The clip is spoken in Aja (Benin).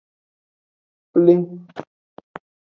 Pleng.